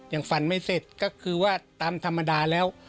ยังฝันไม่เสร็จก็คือว่าตามธรรมดาแล้ว